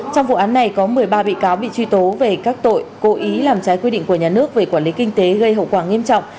trong vụ án này có một mươi ba bị cáo bị truy tố về các tội cố ý làm trái quy định của nhà nước về quản lý kinh tế gây hậu quả nghiêm trọng